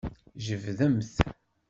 Jebdemt.